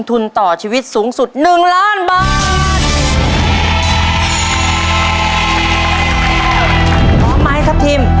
พร้อมค่ะ